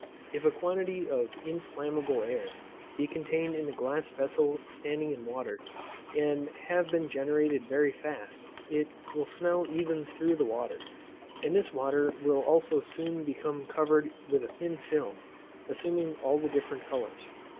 If a quantity of inflammable air be contained in a glass vessel standing in water, and have been generated very fast, it will smell even through the water, and this water will also soon become covered with a thin film, assuming all the different colours.